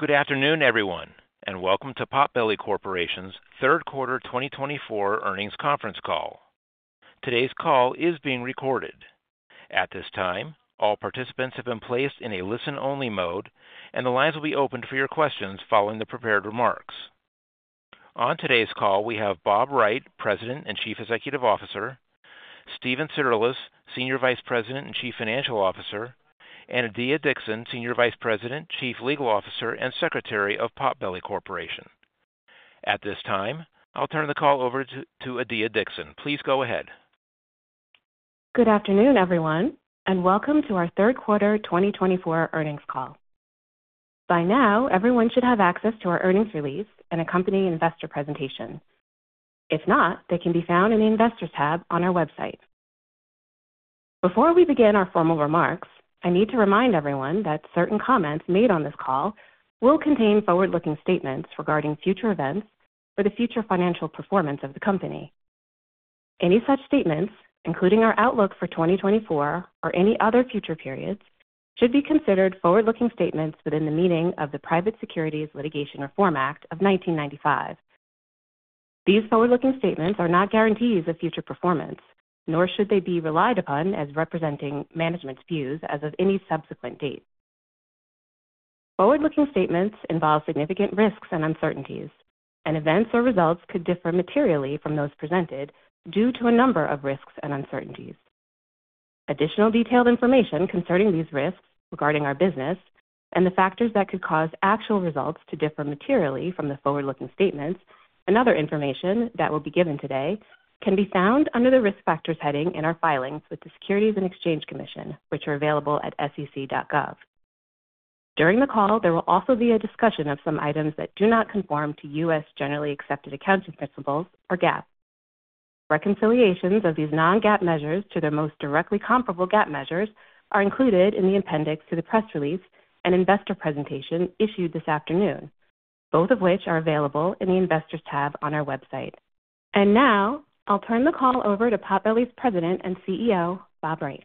Good afternoon, everyone, and welcome to Potbelly Corporation's third quarter 2024 earnings conference call. Today's call is being recorded. At this time, all participants have been placed in a listen-only mode, and the lines will be open for your questions following the prepared remarks. On today's call, we have Bob Wright, President and Chief Executive Officer, Steven Cirulis, Senior Vice President and Chief Financial Officer, and Adiya Dixon, Senior Vice President, Chief Legal Officer, and Secretary of Potbelly Corporation. At this time, I'll turn the call over to Adiya Dixon. Please go ahead. Good afternoon, everyone, and welcome to our third quarter 2024 earnings call. By now, everyone should have access to our earnings release and a company investor presentation. If not, they can be found in the Investors tab on our website. Before we begin our formal remarks, I need to remind everyone that certain comments made on this call will contain forward-looking statements regarding future events for the future financial performance of the company. Any such statements, including our outlook for 2024 or any other future periods, should be considered forward-looking statements within the meaning of the Private Securities Litigation Reform Act of 1995. These forward-looking statements are not guarantees of future performance, nor should they be relied upon as representing management's views as of any subsequent date. Forward-looking statements involve significant risks and uncertainties, and events or results could differ materially from those presented due to a number of risks and uncertainties. Additional detailed information concerning these risks regarding our business and the factors that could cause actual results to differ materially from the forward-looking statements and other information that will be given today can be found under the Risk Factors heading in our filings with the Securities and Exchange Commission, which are available at sec.gov. During the call, there will also be a discussion of some items that do not conform to U.S. generally accepted accounting principles or GAAP. Reconciliations of these non-GAAP measures to their most directly comparable GAAP measures are included in the appendix to the press release and investor presentation issued this afternoon, both of which are available in the Investors tab on our website. Now, I'll turn the call over to Potbelly's President and CEO, Bob Wright.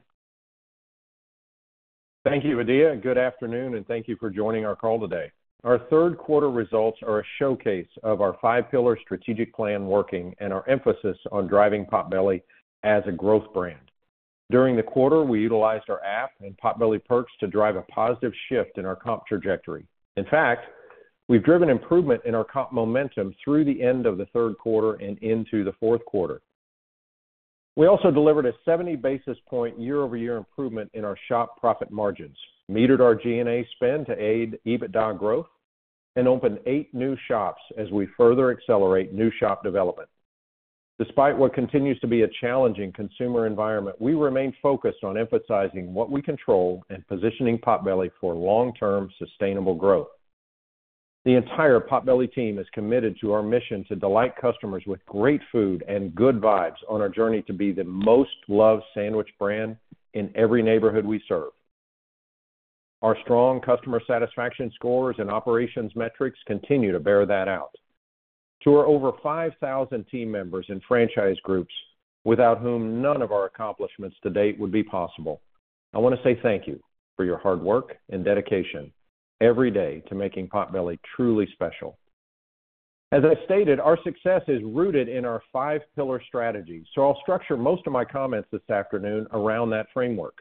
Thank you, Adiya. Good afternoon, and thank you for joining our call today. Our third quarter results are a showcase of our five-pillar strategic plan working and our emphasis on driving Potbelly as a growth brand. During the quarter, we utilized our app and Potbelly Perks to drive a positive shift in our comp trajectory. In fact, we've driven improvement in our comp momentum through the end of the third quarter and into the fourth quarter. We also delivered a 70 basis point year-over-year improvement in our shop profit margins, metered our G&A spend to aid EBITDA growth, and opened eight new shops as we further accelerate new shop development. Despite what continues to be a challenging consumer environment, we remain focused on emphasizing what we control and positioning Potbelly for long-term sustainable growth. The entire Potbelly team is committed to our mission to delight customers with great food and good vibes on our journey to be the most loved sandwich brand in every neighborhood we serve. Our strong customer satisfaction scores and operations metrics continue to bear that out. To our over 5,000 team members and franchise groups without whom none of our accomplishments to date would be possible, I want to say thank you for your hard work and dedication every day to making Potbelly truly special. As I stated, our success is rooted in our five-pillar strategy, so I'll structure most of my comments this afternoon around that framework.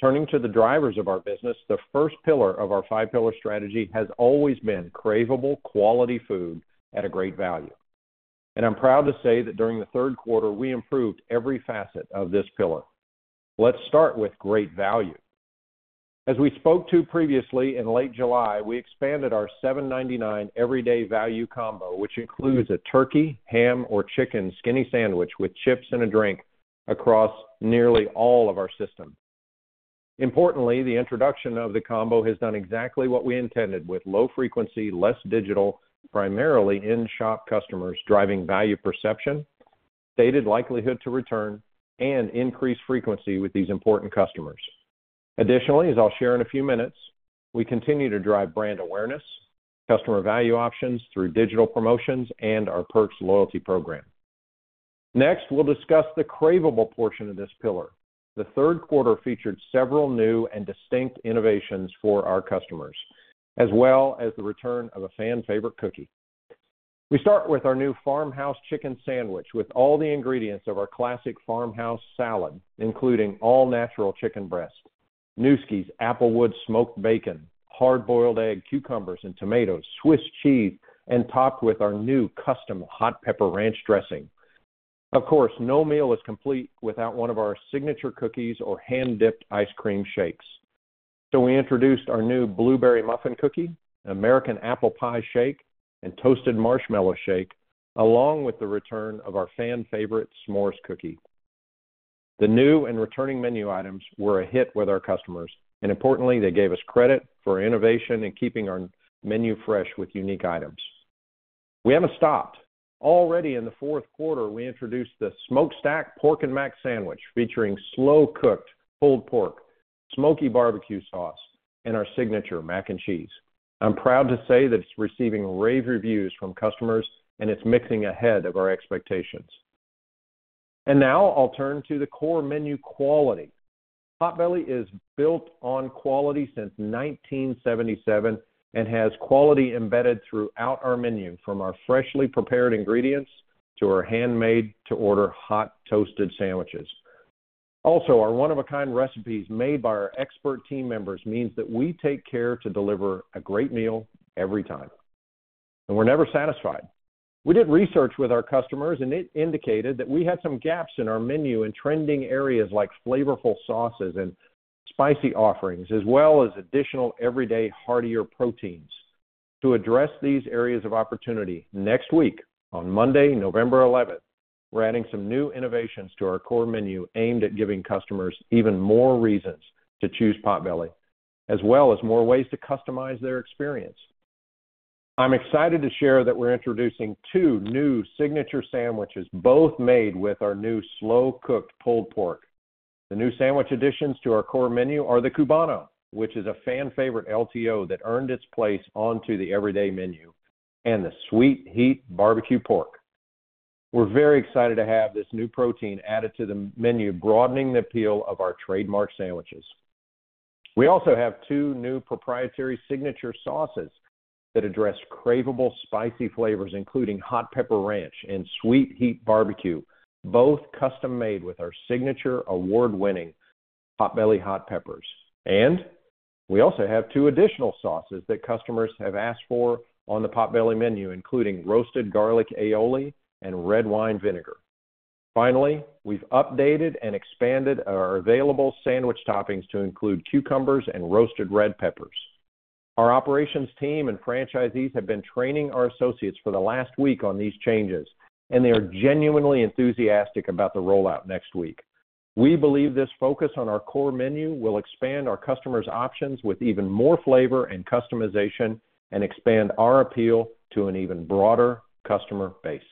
Turning to the drivers of our business, the first pillar of our five-pillar strategy has always been craveable quality food at a great value, and I'm proud to say that during the third quarter, we improved every facet of this pillar. Let's start with great value. As we spoke to previously in late July, we expanded our $7.99 everyday value combo, which includes a turkey, ham, or chicken Skinny sandwich with chips and a drink across nearly all of our system. Importantly, the introduction of the combo has done exactly what we intended with low frequency, less digital, primarily in-shop customers driving value perception, stated likelihood to return, and increased frequency with these important customers. Additionally, as I'll share in a few minutes, we continue to drive brand awareness, customer value options through digital promotions, and our Perks loyalty program. Next, we'll discuss the craveable portion of this pillar. The third quarter featured several new and distinct innovations for our customers, as well as the return of a fan-favorite cookie. We start with our new Farmhouse Chicken Sandwich with all the ingredients of our classic farmhouse salad, including all-natural chicken breast, Nueske's applewood smoked bacon, hard-boiled egg, cucumbers, and tomatoes, Swiss cheese, and topped with our new custom Hot Pepper Ranch dressing. Of course, no meal is complete without one of our signature cookies or hand-dipped ice cream shakes. So we introduced our new Blueberry Muffin Cookie, American Apple Pie Shake, and Toasted Marshmallow Shake, along with the return of our fan-favorite S'mores Cookie. The new and returning menu items were a hit with our customers, and importantly, they gave us credit for innovation and keeping our menu fresh with unique items. We haven't stopped. Already in the fourth quarter, we introduced the Smokestack Pork & Mac sandwich featuring slow-cooked pulled pork, smoky barbecue sauce, and our signature mac and cheese. I'm proud to say that it's receiving rave reviews from customers, and it's mixing ahead of our expectations. And now I'll turn to the core menu quality. Potbelly is built on quality since 1977 and has quality embedded throughout our menu from our freshly prepared ingredients to our handmade-to-order hot toasted sandwiches. Also, our one-of-a-kind recipes made by our expert team members means that we take care to deliver a great meal every time, and we're never satisfied. We did research with our customers, and it indicated that we had some gaps in our menu and trending areas like flavorful sauces and spicy offerings, as well as additional everyday heartier proteins. To address these areas of opportunity, next week on Monday, November 11th, we're adding some new innovations to our core menu aimed at giving customers even more reasons to choose Potbelly, as well as more ways to customize their experience. I'm excited to share that we're introducing two new signature sandwiches, both made with our new slow-cooked pulled pork. The new sandwich additions to our core menu are the Cubano, which is a fan-favorite LTO that earned its place onto the everyday menu, and the Sweet Heat Barbecue Pork. We're very excited to have this new protein added to the menu, broadening the appeal of our trademark sandwiches. We also have two new proprietary signature sauces that address craveable spicy flavors, including Hot Pepper Ranch and Sweet Heat Barbecue, both custom-made with our signature award-winning Potbelly hot peppers. And we also have two additional sauces that customers have asked for on the Potbelly menu, including Roasted Garlic Aioli and Red Wine Vinegar. Finally, we've updated and expanded our available sandwich toppings to include cucumbers and roasted red peppers. Our operations team and franchisees have been training our associates for the last week on these changes, and they are genuinely enthusiastic about the rollout next week. We believe this focus on our core menu will expand our customers' options with even more flavor and customization and expand our appeal to an even broader customer base.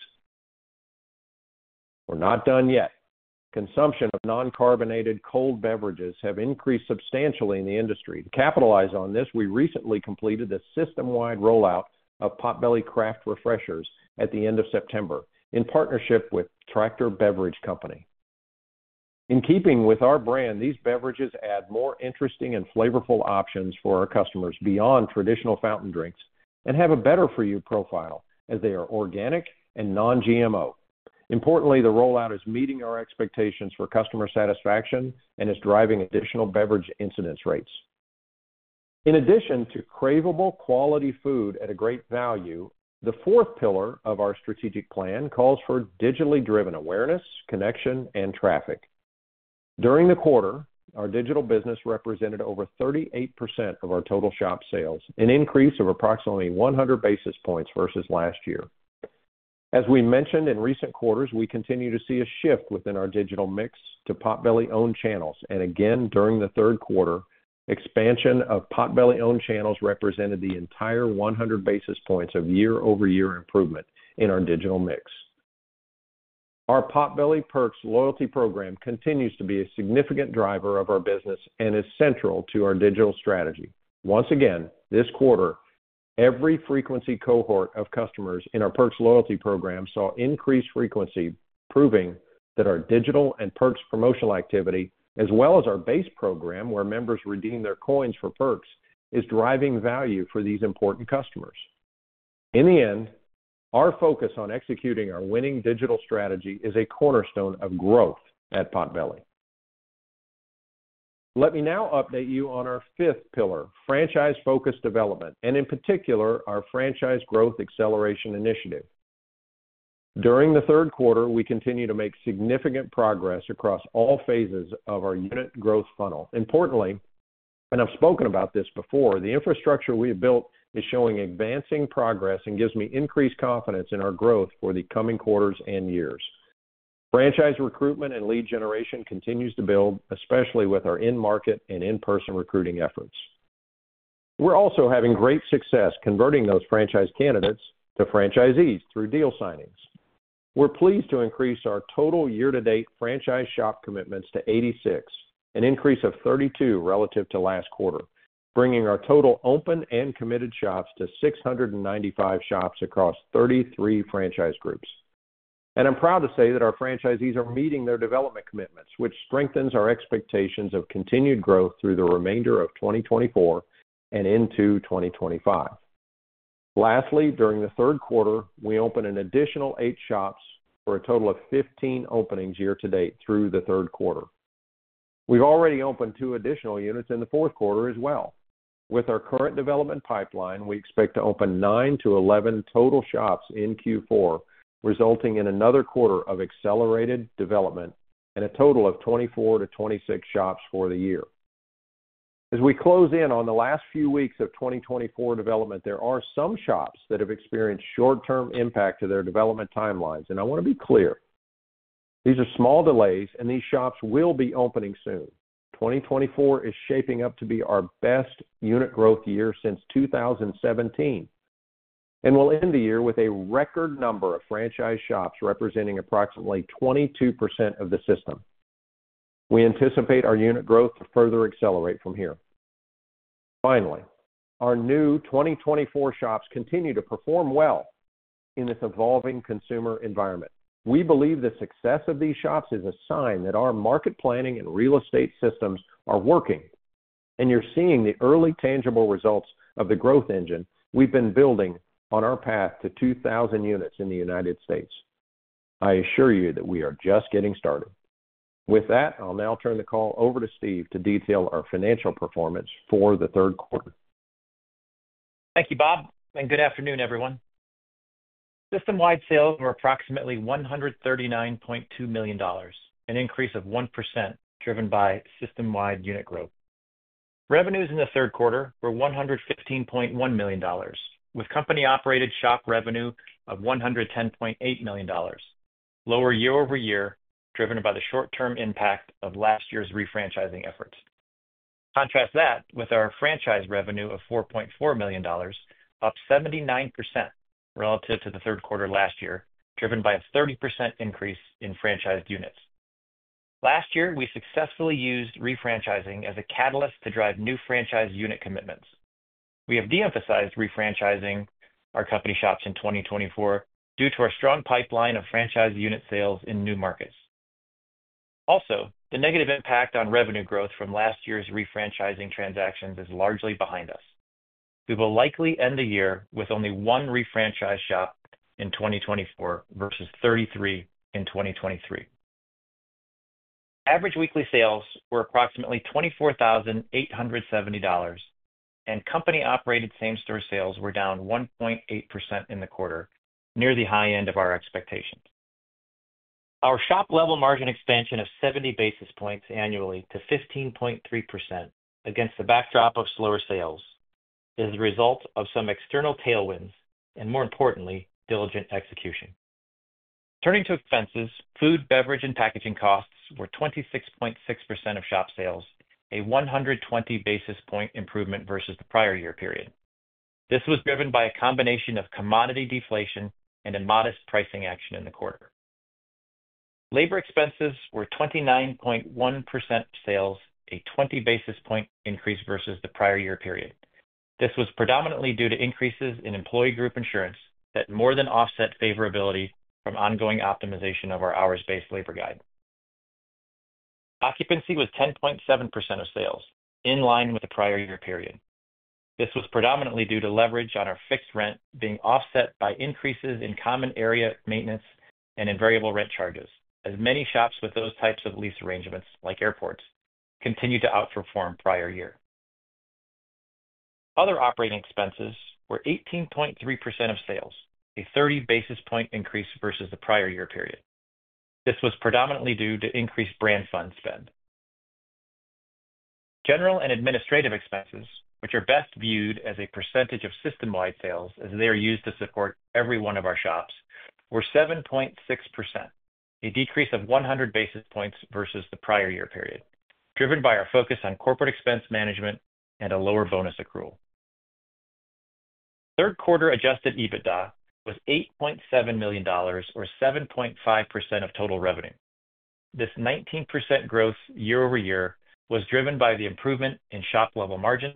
We're not done yet. Consumption of non-carbonated cold beverages has increased substantially in the industry. To capitalize on this, we recently completed a system-wide rollout of Potbelly Craft Refreshers at the end of September in partnership with Tractor Beverage Company. In keeping with our brand, these beverages add more interesting and flavorful options for our customers beyond traditional fountain drinks and have a better-for-you profile as they are organic and non-GMO. Importantly, the rollout is meeting our expectations for customer satisfaction and is driving additional beverage incidence rates. In addition to craveable quality food at a great value, the fourth pillar of our strategic plan calls for digitally driven awareness, connection, and traffic. During the quarter, our digital business represented over 38% of our total shop sales, an increase of approximately 100 basis points versus last year. As we mentioned in recent quarters, we continue to see a shift within our digital mix to Potbelly-owned channels, and again, during the third quarter, expansion of Potbelly-owned channels represented the entire 100 basis points of year-over-year improvement in our digital mix. Our Potbelly Perks Loyalty Program continues to be a significant driver of our business and is central to our digital strategy. Once again, this quarter, every frequency cohort of customers in our Perks Loyalty Program saw increased frequency, proving that our digital and Perks promotional activity, as well as our base program where members redeem their Coins for Perks, is driving value for these important customers. In the end, our focus on executing our winning digital strategy is a cornerstone of growth at Potbelly. Let me now update you on our fifth pillar, franchise-focused development, and in particular, our franchise growth acceleration initiative. During the third quarter, we continue to make significant progress across all phases of our unit growth funnel. Importantly, and I've spoken about this before, the infrastructure we have built is showing advancing progress and gives me increased confidence in our growth for the coming quarters and years. Franchise recruitment and lead generation continues to build, especially with our in-market and in-person recruiting efforts. We're also having great success converting those franchise candidates to franchisees through deal signings. We're pleased to increase our total year-to-date franchise shop commitments to 86, an increase of 32 relative to last quarter, bringing our total open and committed shops to 695 shops across 33 franchise groups. And I'm proud to say that our franchisees are meeting their development commitments, which strengthens our expectations of continued growth through the remainder of 2024 and into 2025. Lastly, during the third quarter, we opened an additional eight shops for a total of 15 openings year-to-date through the third quarter. We've already opened two additional units in the fourth quarter as well. With our current development pipeline, we expect to open 9 to 11 total shops in Q4, resulting in another quarter of accelerated development and a total of 24 to 26 shops for the year. As we close in on the last few weeks of 2024 development, there are some shops that have experienced short-term impact to their development timelines, and I want to be clear. These are small delays, and these shops will be opening soon. 2024 is shaping up to be our best unit growth year since 2017, and we'll end the year with a record number of franchise shops representing approximately 22% of the system. We anticipate our unit growth to further accelerate from here. Finally, our new 2024 shops continue to perform well in this evolving consumer environment. We believe the success of these shops is a sign that our market planning and real estate systems are working, and you're seeing the early tangible results of the growth engine we've been building on our path to 2,000 units in the United States. I assure you that we are just getting started. With that, I'll now turn the call over to Steve to detail our financial performance for the third quarter. Thank you, Bob, and good afternoon, everyone. System-wide sales were approximately $139.2 million, an increase of 1% driven by system-wide unit growth. Revenues in the third quarter were $115.1 million, with company-operated shop revenue of $110.8 million, lower year-over-year driven by the short-term impact of last year's refranchising efforts. Contrast that with our franchise revenue of $4.4 million, up 79% relative to the third quarter last year, driven by a 30% increase in franchised units. Last year, we successfully used refranchising as a catalyst to drive new franchise unit commitments. We have de-emphasized refranchising our company shops in 2024 due to our strong pipeline of franchise unit sales in new markets. Also, the negative impact on revenue growth from last year's refranchising transactions is largely behind us. We will likely end the year with only one refranchised shop in 2024 versus 33 in 2023. Average weekly sales were approximately $24,870, and company-operated same-store sales were down 1.8% in the quarter, near the high end of our expectations. Our shop-level margin expansion of 70 basis points annually to 15.3% against the backdrop of slower sales is the result of some external tailwinds and, more importantly, diligent execution. Turning to expenses, food, beverage, and packaging costs were 26.6% of shop sales, a 120 basis point improvement versus the prior year period. This was driven by a combination of commodity deflation and a modest pricing action in the quarter. Labor expenses were 29.1% of sales, a 20 basis point increase versus the prior year period. This was predominantly due to increases in employee group insurance that more than offset favorability from ongoing optimization of our hours-based labor guide. Occupancy was 10.7% of sales, in line with the prior year period. This was predominantly due to leverage on our fixed rent being offset by increases in common area maintenance and in variable rent charges, as many shops with those types of lease arrangements, like airports, continued to outperform prior year. Other operating expenses were 18.3% of sales, a 30 basis point increase versus the prior year period. This was predominantly due to increased brand fund spend. General and administrative expenses, which are best viewed as a percentage of system-wide sales as they are used to support every one of our shops, were 7.6%, a decrease of 100 basis points versus the prior year period, driven by our focus on corporate expense management and a lower bonus accrual. Third quarter Adjusted EBITDA was $8.7 million, or 7.5% of total revenue. This 19% growth year-over-year was driven by the improvement in shop-level margin,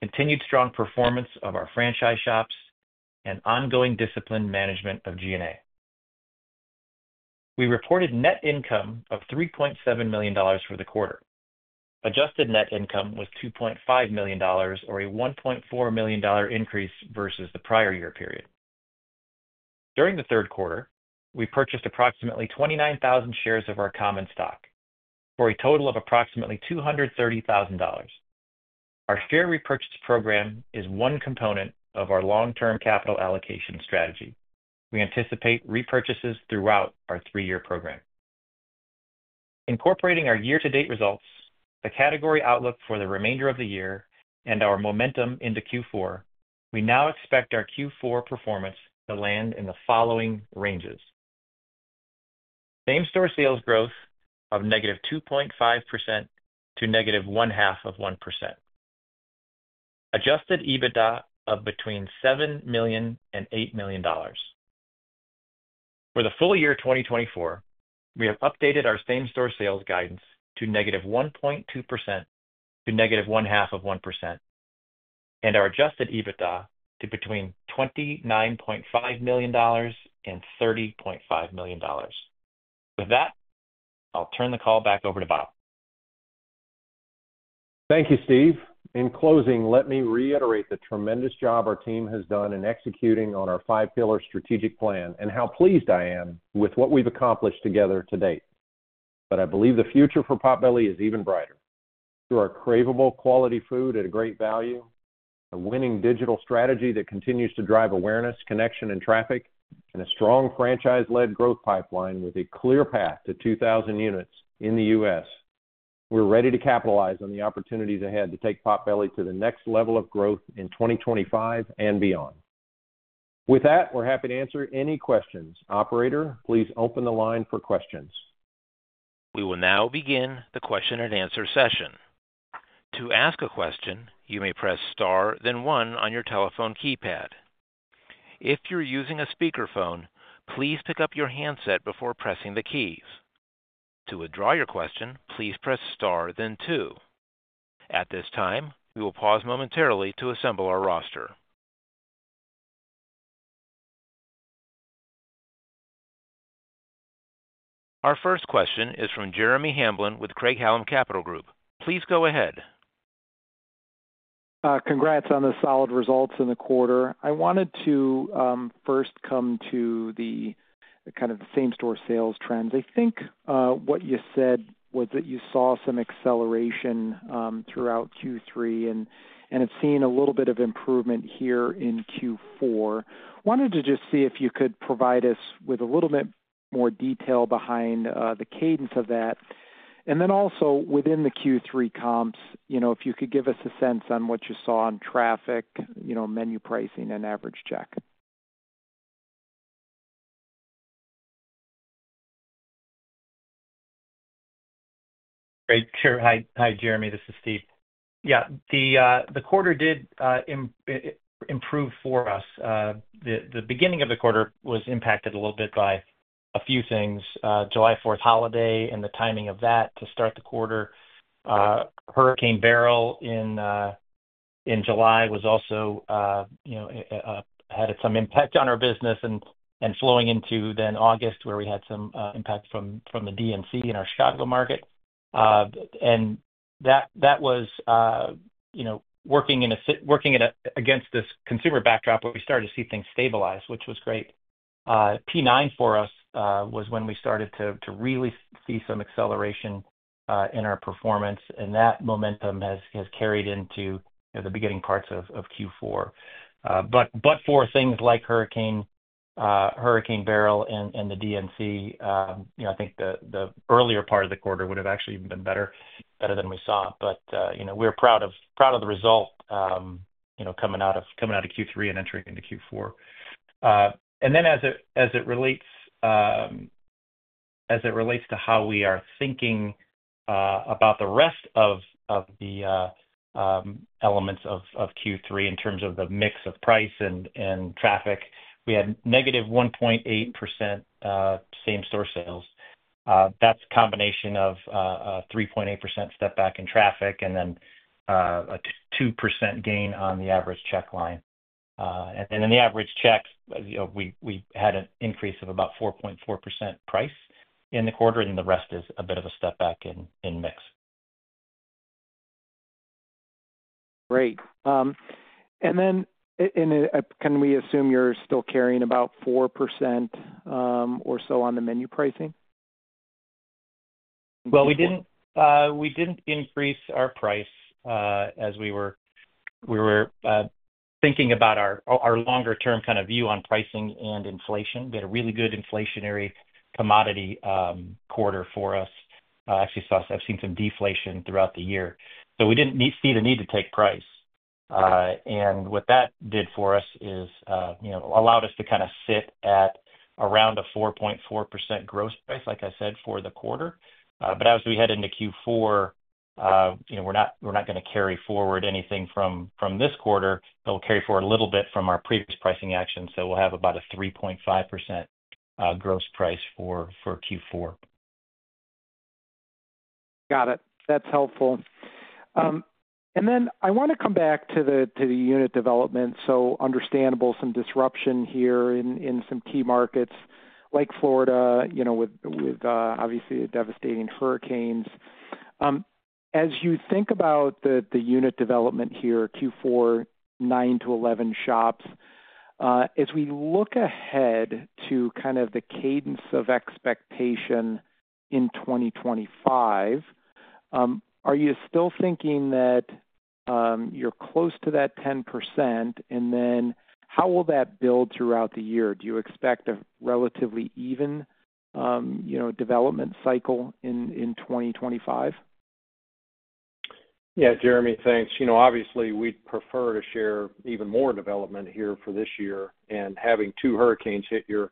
continued strong performance of our franchise shops, and ongoing disciplined management of G&A. We reported net income of $3.7 million for the quarter. Adjusted net income was $2.5 million, or a $1.4 million increase versus the prior year period. During the third quarter, we purchased approximately 29,000 shares of our common stock for a total of approximately $230,000. Our share repurchase program is one component of our long-term capital allocation strategy. We anticipate repurchases throughout our three-year program. Incorporating our year-to-date results, the category outlook for the remainder of the year, and our momentum into Q4, we now expect our Q4 performance to land in the following ranges: Same-Store Sales growth of negative 2.5% to negative 0.5%, Adjusted EBITDA of between $7 million and $8 million. For the full year 2024, we have updated our same-store sales guidance to -1.2% to -0.5%, and our Adjusted EBITDA to between $29.5 million and $30.5 million. With that, I'll turn the call back over to Bob. Thank you, Steve. In closing, let me reiterate the tremendous job our team has done in executing on our five-pillar strategic plan and how pleased I am with what we've accomplished together to date. But I believe the future for Potbelly is even brighter. Through our craveable quality food at a great value, a winning digital strategy that continues to drive awareness, connection, and traffic, and a strong franchise-led growth pipeline with a clear path to 2,000 units in the U.S., we're ready to capitalize on the opportunities ahead to take Potbelly to the next level of growth in 2025 and beyond. With that, we're happy to answer any questions. Operator, please open the line for questions. We will now begin the question-and-answer session. To ask a question, you may press star, then one on your telephone keypad. If you're using a speakerphone, please pick up your handset before pressing the keys. To withdraw your question, please press star, then two. At this time, we will pause momentarily to assemble our roster. Our first question is from Jeremy Hamblin with Craig-Hallum Capital Group. Please go ahead. Congrats on the solid results in the quarter. I wanted to first come to the kind of same-store sales trends. I think what you said was that you saw some acceleration throughout Q3, and it's seen a little bit of improvement here in Q4. Wanted to just see if you could provide us with a little bit more detail behind the cadence of that. And then also within the Q3 comps, if you could give us a sense on what you saw on traffic, menu pricing, and average check. Great. Hi, Jeremy. This is Steve. Yeah. The quarter did improve for us. The beginning of the quarter was impacted a little bit by a few things: July 4th holiday and the timing of that to start the quarter. Hurricane Beryl in July also had some impact on our business and flowing into then August, where we had some impact from the DNC in our Chicago market. And that was working against this consumer backdrop, but we started to see things stabilize, which was great. P9 for us was when we started to really see some acceleration in our performance, and that momentum has carried into the beginning parts of Q4. But for things like Hurricane Beryl and the DNC, I think the earlier part of the quarter would have actually been better than we saw. But we're proud of the result coming out of Q3 and entering into Q4. And then as it relates to how we are thinking about the rest of the elements of Q3 in terms of the mix of price and traffic, we had negative 1.8% same-store sales. That's a combination of a 3.8% step back in traffic and then a 2% gain on the average check line. And then in the average checks, we had an increase of about 4.4% price in the quarter, and the rest is a bit of a step back in mix. Great. And then can we assume you're still carrying about 4% or so on the menu pricing? We didn't increase our price as we were thinking about our longer-term kind of view on pricing and inflation. We had a really good inflationary commodity quarter for us. Actually, I've seen some deflation throughout the year. So we didn't see the need to take price. And what that did for us is allowed us to kind of sit at around a 4.4% growth price, like I said, for the quarter. But as we head into Q4, we're not going to carry forward anything from this quarter. It'll carry forward a little bit from our previous pricing action, so we'll have about a 3.5% growth price for Q4. Got it. That's helpful and then I want to come back to the unit development, so understandable some disruption here in some key markets like Florida with obviously the devastating hurricanes. As you think about the unit development here, Q4 9-11 shops, as we look ahead to kind of the cadence of expectation in 2025, are you still thinking that you're close to that 10% and then how will that build throughout the year? Do you expect a relatively even development cycle in 2025? Yeah, Jeremy, thanks. Obviously, we'd prefer to share even more development here for this year. And having two hurricanes hit your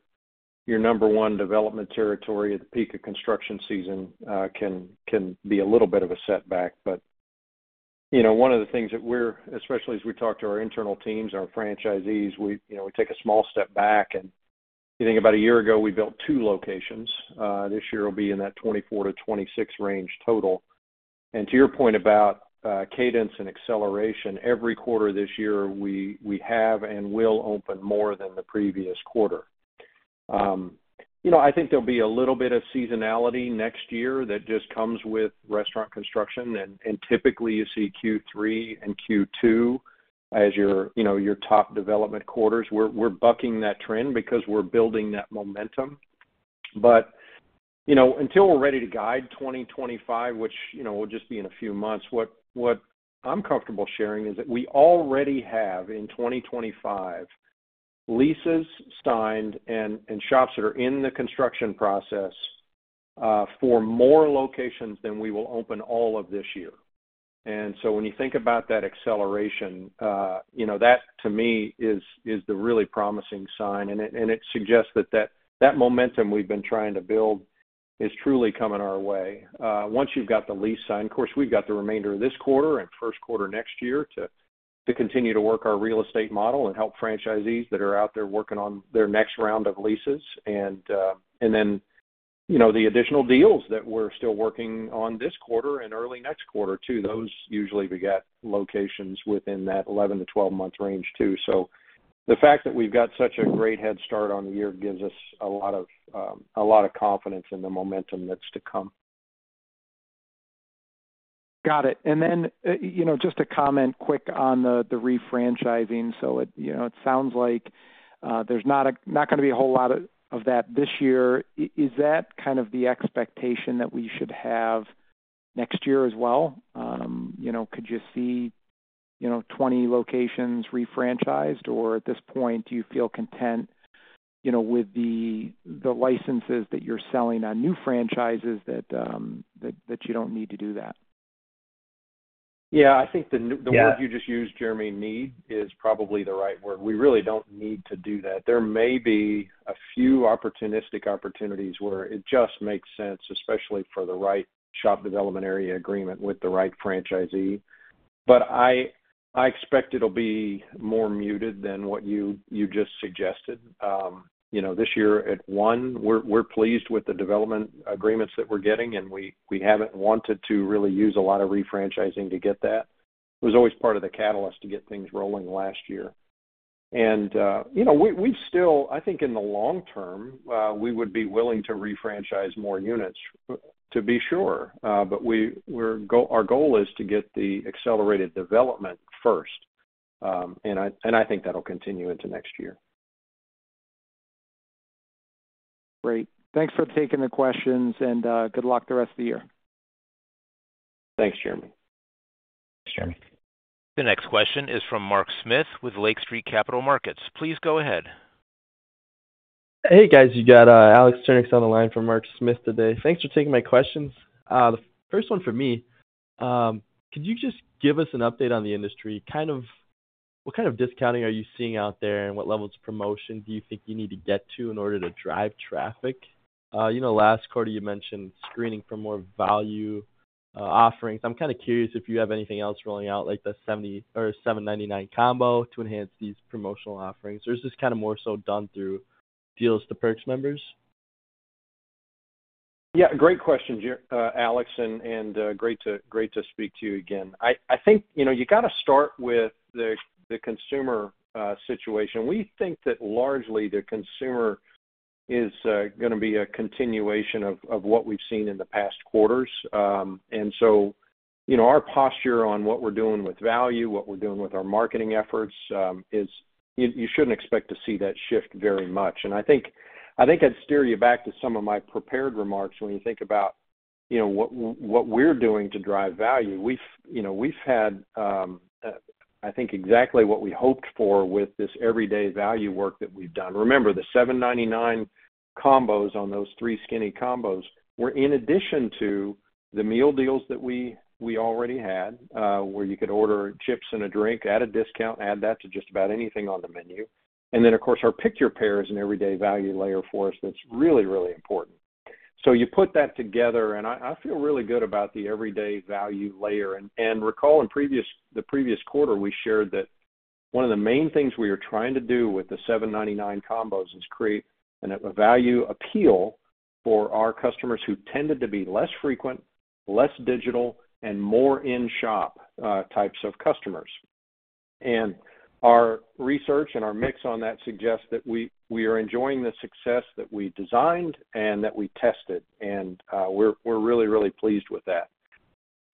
number one development territory at the peak of construction season can be a little bit of a setback. But one of the things that we're especially as we talk to our internal teams, our franchisees, we take a small step back. And I think about a year ago, we built two locations. This year will be in that 24-26 range total. And to your point about cadence and acceleration, every quarter this year, we have and will open more than the previous quarter. I think there'll be a little bit of seasonality next year that just comes with restaurant construction. And typically, you see Q3 and Q2 as your top development quarters. We're bucking that trend because we're building that momentum. But until we're ready to guide 2025, which will just be in a few months, what I'm comfortable sharing is that we already have in 2025 leases signed and shops that are in the construction process for more locations than we will open all of this year. And so when you think about that acceleration, that to me is the really promising sign. And it suggests that that momentum we've been trying to build is truly coming our way. Once you've got the lease signed, of course, we've got the remainder of this quarter and first quarter next year to continue to work our real estate model and help franchisees that are out there working on their next round of leases. And then the additional deals that we're still working on this quarter and early next quarter too, those usually beget locations within that 11-12-month range too. So the fact that we've got such a great head start on the year gives us a lot of confidence in the momentum that's to come. Got it. And then just a comment quick on the refranchising. So it sounds like there's not going to be a whole lot of that this year. Is that kind of the expectation that we should have next year as well? Could you see 20 locations refranchised, or at this point, do you feel content with the licenses that you're selling on new franchises that you don't need to do that? Yeah. I think the word you just used, Jeremy, need is probably the right word. We really don't need to do that. There may be a few opportunistic opportunities where it just makes sense, especially for the right shop development area agreement with the right franchisee. But I expect it'll be more muted than what you just suggested. This year at one, we're pleased with the development agreements that we're getting, and we haven't wanted to really use a lot of refranchising to get that. It was always part of the catalyst to get things rolling last year. And we've still, I think in the long term, we would be willing to refranchise more units to be sure. But our goal is to get the accelerated development first. And I think that'll continue into next year. Great. Thanks for taking the questions, and good luck the rest of the year. Thanks, Jeremy. Thanks, Jeremy. The next question is from Mark Smith with Lake Street Capital Markets. Please go ahead. Hey, guys. You got Alex Sturnieks on the line from Mark Smith today. Thanks for taking my questions. The first one for me, could you just give us an update on the industry? What kind of discounting are you seeing out there, and what level of promotion do you think you need to get to in order to drive traffic? Last quarter, you mentioned screening for more value offerings. I'm kind of curious if you have anything else rolling out like the $7.99 combo to enhance these promotional offerings. Or is this kind of more so done through deals to Perks members? Yeah. Great question, Alex. And great to speak to you again. I think you got to start with the consumer situation. We think that largely the consumer is going to be a continuation of what we've seen in the past quarters. And so our posture on what we're doing with value, what we're doing with our marketing efforts, is you shouldn't expect to see that shift very much. And I think I'd steer you back to some of my prepared remarks when you think about what we're doing to drive value. We've had, I think, exactly what we hoped for with this everyday value work that we've done. Remember, the $7.99 combos on those three skinny combos were, in addition to the meal deals that we already had, where you could order chips and a drink at a discount, add that to just about anything on the menu. Then, of course, our Pick-Your-Pair is an everyday value layer for us that's really, really important. You put that together, and I feel really good about the everyday value layer. Recall in the previous quarter, we shared that one of the main things we were trying to do with the $7.99 combos is create a value appeal for our customers who tended to be less frequent, less digital, and more in-shop types of customers. Our research and our mix on that suggests that we are enjoying the success that we designed and that we tested. We're really, really pleased with that.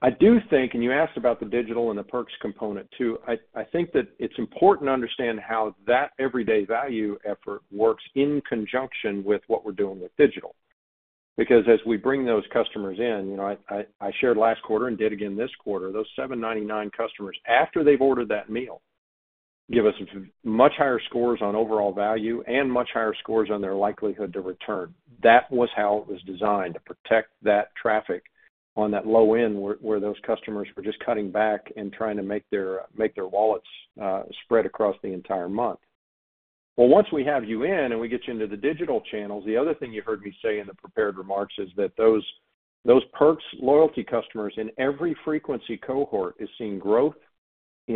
I do think, and you asked about the digital and the Perks component too, I think that it's important to understand how that everyday value effort works in conjunction with what we're doing with digital. Because as we bring those customers in, I shared last quarter and did again this quarter, those 799 customers, after they've ordered that meal, give us much higher scores on overall value and much higher scores on their likelihood to return. That was how it was designed to protect that traffic on that low end where those customers were just cutting back and trying to make their wallets spread across the entire month, well, once we have you in and we get you into the digital channels, the other thing you heard me say in the prepared remarks is that those Perks loyalty customers in every frequency cohort are seeing growth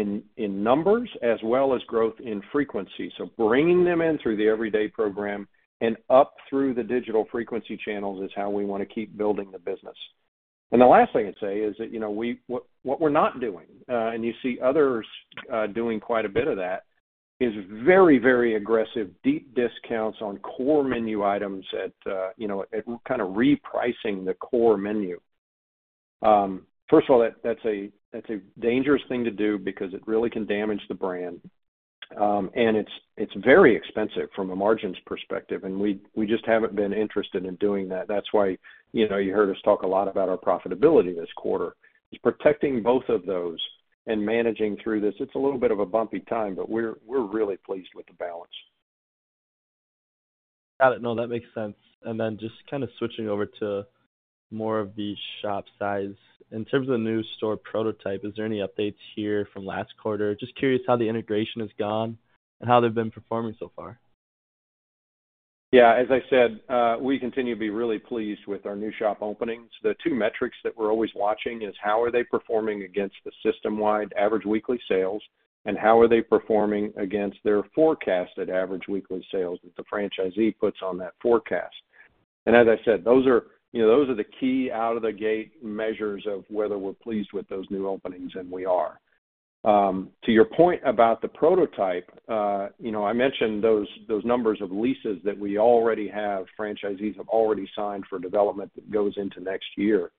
in numbers as well as growth in frequency, so bringing them in through the everyday program and up through the digital frequency channels is how we want to keep building the business. And the last thing I'd say is that what we're not doing, and you see others doing quite a bit of that, is very, very aggressive deep discounts on core menu items at kind of repricing the core menu. First of all, that's a dangerous thing to do because it really can damage the brand, and it's very expensive from a margins perspective, and we just haven't been interested in doing that. That's why you heard us talk a lot about our profitability this quarter. It's protecting both of those and managing through this. It's a little bit of a bumpy time, but we're really pleased with the balance. Got it. No, that makes sense. And then just kind of switching over to more of the shop size. In terms of the new store prototype, is there any updates here from last quarter? Just curious how the integration has gone and how they've been performing so far. Yeah. As I said, we continue to be really pleased with our new shop openings. The two metrics that we're always watching are how are they performing against the system-wide average weekly sales, and how are they performing against their forecasted average weekly sales that the franchisee puts on that forecast. And as I said, those are the key out-of-the-gate measures of whether we're pleased with those new openings, and we are. To your point about the prototype, I mentioned those numbers of leases that we already have. Franchisees have already signed for development that goes into next year.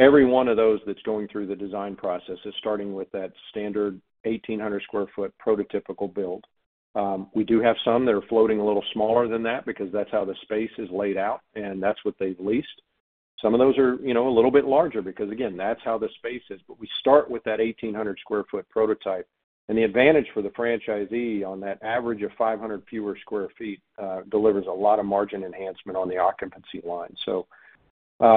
Every one of those that's going through the design process is starting with that standard 1,800 sq ft prototypical build. We do have some that are floating a little smaller than that because that's how the space is laid out, and that's what they've leased. Some of those are a little bit larger because, again, that's how the space is, but we start with that 1,800 sq ft prototype. And the advantage for the franchisee on that average of 500 fewer sq ft delivers a lot of margin enhancement on the occupancy line, so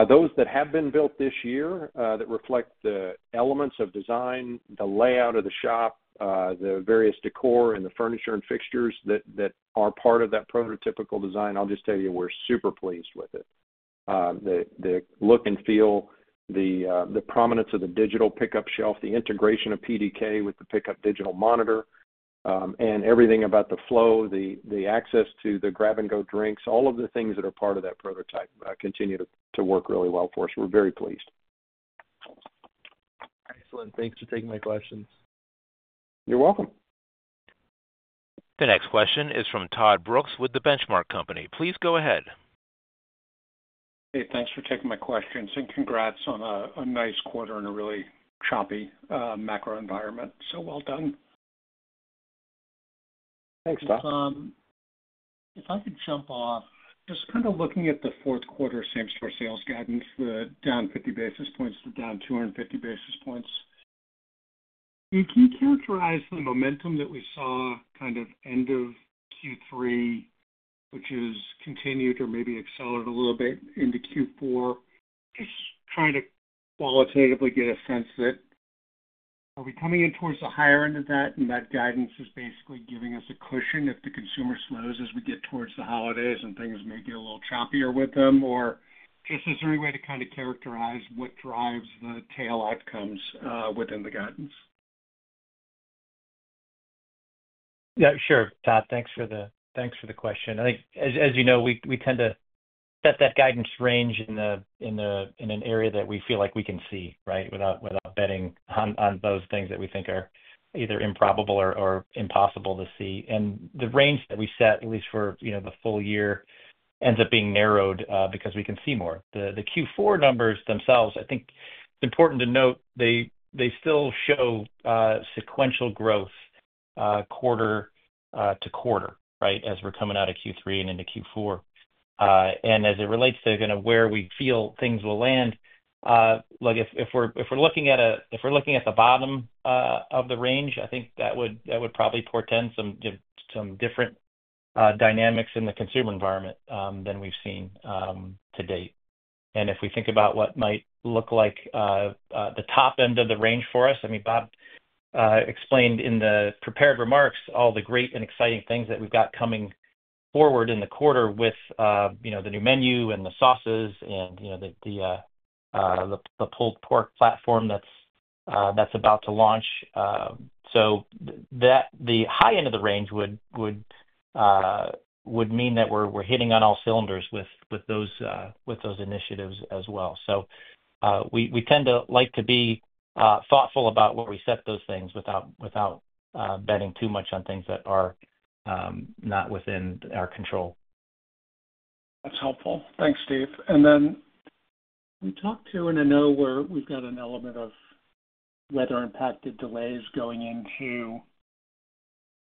those that have been built this year that reflect the elements of design, the layout of the shop, the various decor and the furniture and fixtures that are part of that prototypical design, I'll just tell you, we're super pleased with it. The look and feel, the prominence of the digital pickup shelf, the integration of PDK with the pickup digital monitor, and everything about the flow, the access to the grab-and-go drinks, all of the things that are part of that prototype continue to work really well for us. We're very pleased. Excellent. Thanks for taking my questions. You're welcome. The next question is from Todd Brooks with The Benchmark Company. Please go ahead. Hey, thanks for taking my questions and congrats on a nice quarter in a really choppy macro environment, so well done. Thanks, Tom. If I could jump off, just kind of looking at the fourth quarter same store sales guidance, the down 50 basis points to down 250 basis points. Can you characterize the momentum that we saw kind of end of Q3, which has continued or maybe accelerated a little bit into Q4? Just trying to qualitatively get a sense that are we coming in towards the higher end of that, and that guidance is basically giving us a cushion if the consumer slows as we get towards the holidays and things may get a little choppier with them? Or just is there any way to kind of characterize what drives the tail outcomes within the guidance? Yeah, sure. Todd, thanks for the question. As you know, we tend to set that guidance range in an area that we feel like we can see, right, without betting on those things that we think are either improbable or impossible to see. And the range that we set, at least for the full year, ends up being narrowed because we can see more. The Q4 numbers themselves, I think it's important to note they still show sequential growth quarter to quarter, right, as we're coming out of Q3 and into Q4. And as it relates to kind of where we feel things will land, if we're looking at the bottom of the range, I think that would probably portend some different dynamics in the consumer environment than we've seen to date. And if we think about what might look like the top end of the range for us, I mean, Bob explained in the prepared remarks all the great and exciting things that we've got coming forward in the quarter with the new menu and the sauces and the pulled pork platform that's about to launch. So the high end of the range would mean that we're hitting on all cylinders with those initiatives as well. So we tend to like to be thoughtful about where we set those things without betting too much on things that are not within our control. That's helpful. Thanks, Steve. And then we talked to, and I know we've got an element of weather-impacted delays going into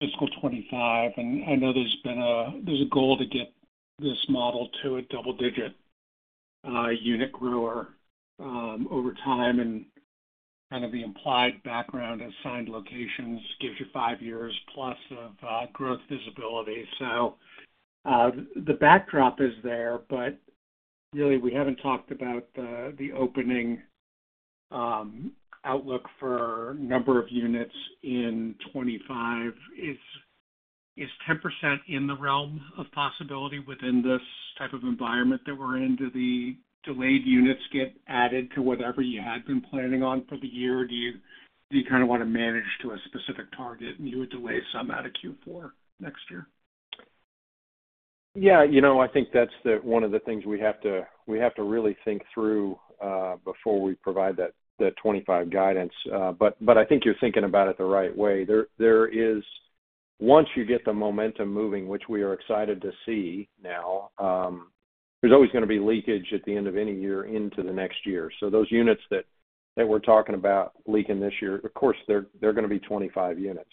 fiscal 2025. And I know there's a goal to get this model to a double-digit unit grower over time. And kind of the implied background assigned locations gives you five years plus of growth visibility. So the backdrop is there, but really, we haven't talked about the opening outlook for a number of units in 2025. Is 10% in the realm of possibility within this type of environment that we're into? Do the delayed units get added to whatever you had been planning on for the year? Do you kind of want to manage to a specific target and you would delay some out of Q4 next year? Yeah. I think that's one of the things we have to really think through before we provide that 2025 guidance. But I think you're thinking about it the right way. Once you get the momentum moving, which we are excited to see now, there's always going to be leakage at the end of any year into the next year. So those units that we're talking about leaking this year, of course, they're going to be 25 units.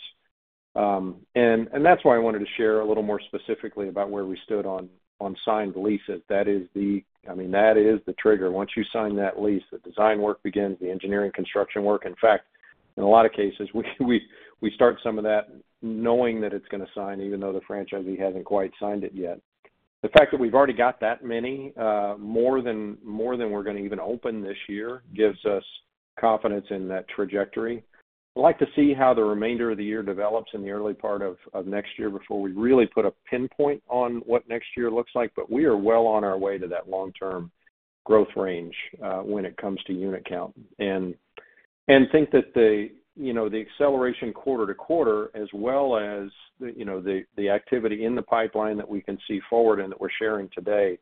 And that's why I wanted to share a little more specifically about where we stood on signed leases. I mean, that is the trigger. Once you sign that lease, the design work begins, the engineering construction work. In fact, in a lot of cases, we start some of that knowing that it's going to sign, even though the franchisee hasn't quite signed it yet. The fact that we've already got that many, more than we're going to even open this year, gives us confidence in that trajectory. I'd like to see how the remainder of the year develops in the early part of next year before we really put a pinpoint on what next year looks like. But we are well on our way to that long-term growth range when it comes to unit count. And I think that the acceleration quarter to quarter, as well as the activity in the pipeline that we can see forward and that we're sharing today,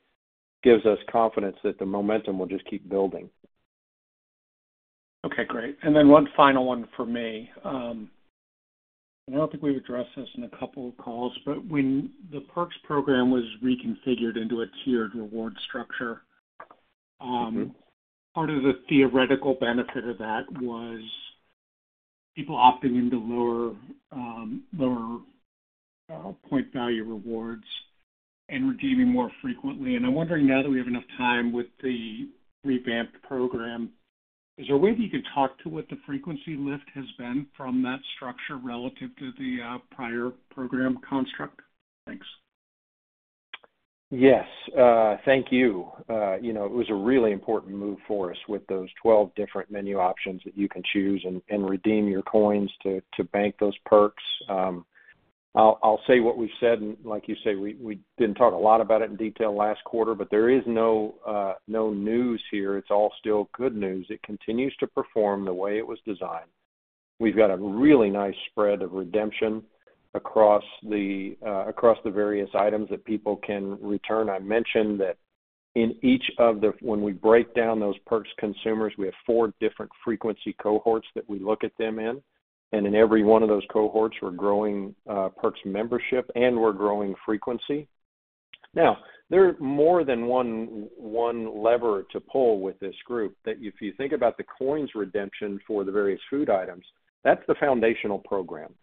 gives us confidence that the momentum will just keep building. Okay. Great. And then one final one for me. And I don't think we've addressed this in a couple of calls, but when the Perks program was reconfigured into a tiered reward structure, part of the theoretical benefit of that was people opting into lower point value rewards and redeeming more frequently. And I'm wondering, now that we have enough time with the revamped program, is there a way that you can talk to what the frequency lift has been from that structure relative to the prior program construct? Thanks. Yes. Thank you. It was a really important move for us with those 12 different menu options that you can choose and redeem your Coins to bank those Perks. I'll say what we've said, and like you say, we didn't talk a lot about it in detail last quarter, but there is no news here. It's all still good news. It continues to perform the way it was designed. We've got a really nice spread of redemption across the various items that people can return. I mentioned that in each of the when we break down those Perks consumers, we have four different frequency cohorts that we look at them in, and in every one of those cohorts, we're growing Perks membership and we're growing frequency. Now, there are more than one lever to pull with this group. If you think about the Coins redemption for the various food items, that's the foundational program,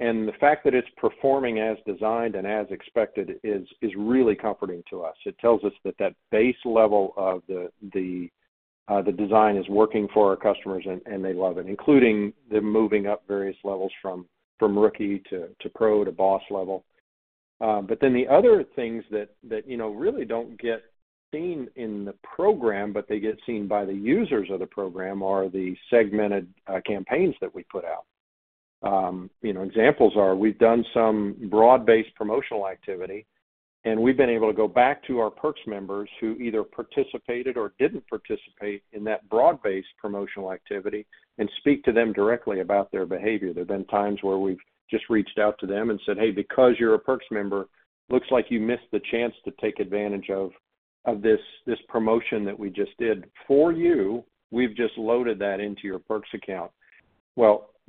and the fact that it's performing as designed and as expected is really comforting to us. It tells us that that base level of the design is working for our customers, and they love it, including the moving up various levels from Rookie to Pro to Boss level, but then the other things that really don't get seen in the program, but they get seen by the users of the program, are the segmented campaigns that we put out. Examples are we've done some broad-based promotional activity, and we've been able to go back to our Perks members who either participated or didn't participate in that broad-based promotional activity and speak to them directly about their behavior. There have been times where we've just reached out to them and said, "Hey, because you're a Perks member, looks like you missed the chance to take advantage of this promotion that we just did for you. We've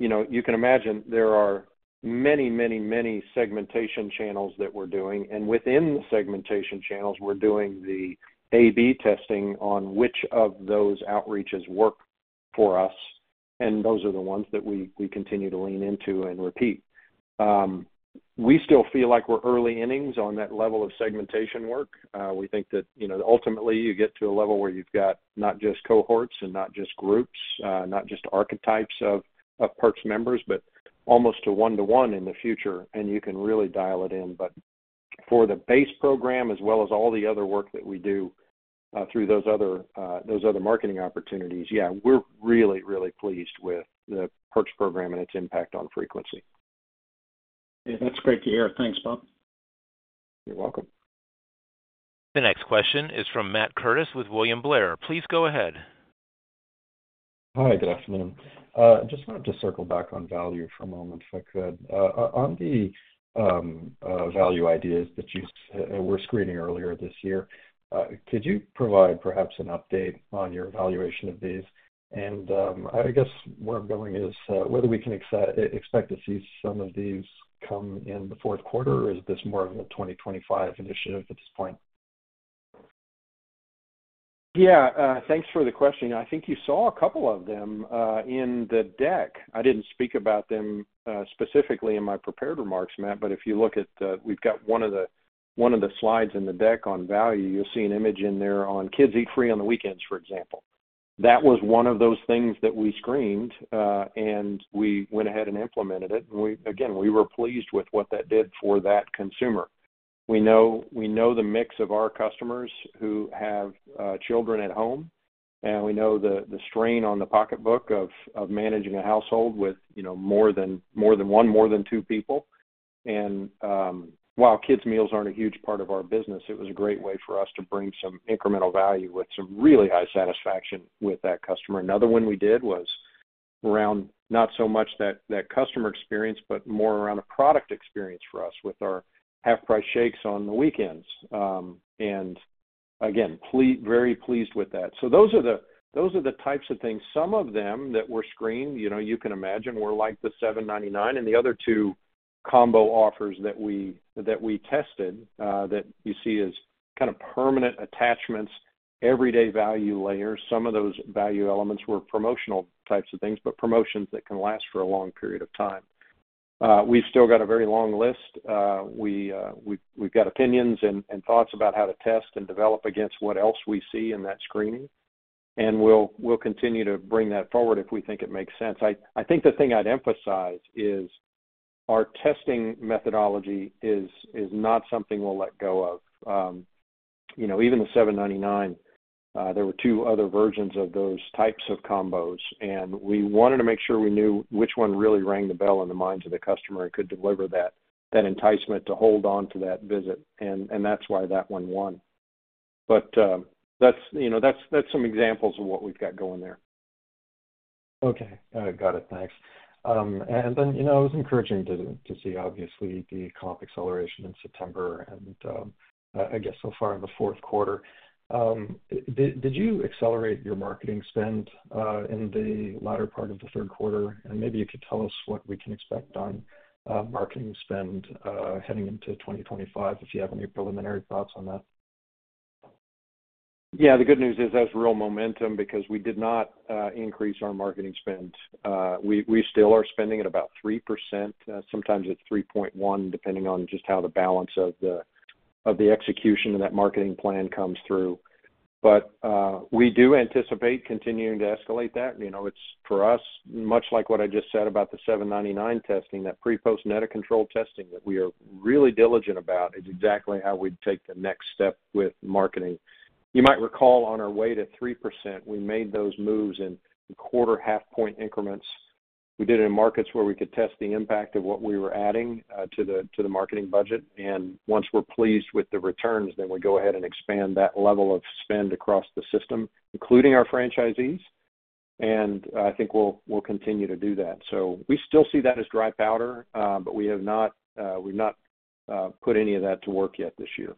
just loaded that into your Perks account." Well, you can imagine there are many, many, many segmentation channels that we're doing. And within the segmentation channels, we're doing the A/B testing on which of those outreaches work for us. And those are the ones that we continue to lean into and repeat. We still feel like we're early innings on that level of segmentation work. We think that ultimately, you get to a level where you've got not just cohorts and not just groups, not just archetypes of Perks members, but almost a one-to-one in the future, and you can really dial it in. But for the base program, as well as all the other work that we do through those other marketing opportunities, yeah, we're really, really pleased with the Perks program and its impact on frequency. Yeah. That's great to hear. Thanks, Bob. You're welcome. The next question is from Matt Curtis with William Blair. Please go ahead. Hi. Good afternoon. I just wanted to circle back on value for a moment if I could. On the value ideas that you were screening earlier this year, could you provide perhaps an update on your evaluation of these? And I guess where I'm going is whether we can expect to see some of these come in the fourth quarter, or is this more of a 2025 initiative at this point? Yeah. Thanks for the question. I think you saw a couple of them in the deck. I didn't speak about them specifically in my prepared remarks, Matt, but if you look, we've got one of the slides in the deck on value. You'll see an image in there on Kids Eat Free on the weekends, for example. That was one of those things that we screened, and we went ahead and implemented it. And again, we were pleased with what that did for that consumer. We know the mix of our customers who have children at home, and we know the strain on the pocketbook of managing a household with more than one, more than two people. And while kids' meals aren't a huge part of our business, it was a great way for us to bring some incremental value with some really high satisfaction with that customer. Another one we did was around not so much that customer experience, but more around a product experience for us with our half-price shakes on the weekends, and again, very pleased with that, so those are the types of things. Some of them that were screened, you can imagine, were like the $7.99, and the other two combo offers that we tested that you see as kind of permanent attachments, everyday value layers, some of those value elements were promotional types of things, but promotions that can last for a long period of time. We've still got a very long list. We've got opinions and thoughts about how to test and develop against what else we see in that screening. And we'll continue to bring that forward if we think it makes sense. I think the thing I'd emphasize is our testing methodology is not something we'll let go of. Even the $7.99, there were two other versions of those types of combos. And we wanted to make sure we knew which one really rang the bell in the minds of the customer and could deliver that enticement to hold on to that visit. And that's why that one won. But that's some examples of what we've got going there. Okay. Got it. Thanks. And then it was encouraging to see, obviously, the comp acceleration in September and, I guess, so far in the fourth quarter. Did you accelerate your marketing spend in the latter part of the third quarter? And maybe you could tell us what we can expect on marketing spend heading into 2025, if you have any preliminary thoughts on that. Yeah. The good news is there's real momentum because we did not increase our marketing spend. We still are spending at about 3%. Sometimes it's 3.1, depending on just how the balance of the execution of that marketing plan comes through. But we do anticipate continuing to escalate that. For us, much like what I just said about the $7.99 testing, that pre-post net of control testing that we are really diligent about, is exactly how we'd take the next step with marketing. You might recall on our way to 3%, we made those moves in quarter-half-point increments. We did it in markets where we could test the impact of what we were adding to the marketing budget. And once we're pleased with the returns, then we go ahead and expand that level of spend across the system, including our franchisees. And I think we'll continue to do that. So we still see that as dry powder, but we have not put any of that to work yet this year.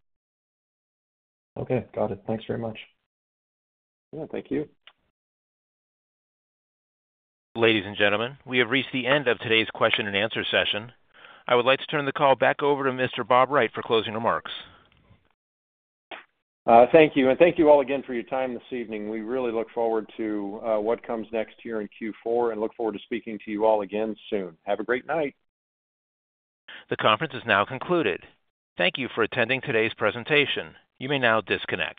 Okay. Got it. Thanks very much. Yeah. Thank you. Ladies and gentlemen, we have reached the end of today's question and answer session. I would like to turn the call back over to Mr. Bob Wright for closing remarks. Thank you, and thank you all again for your time this evening. We really look forward to what comes next here in Q4 and look forward to speaking to you all again soon. Have a great night. The conference is now concluded. Thank you for attending today's presentation. You may now disconnect.